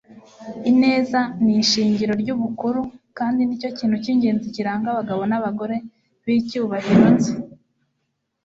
ineza ni ishingiro ry'ubukuru kandi ni cyo kintu cy'ingenzi kiranga abagabo n'abagore b'icyubahiro nzi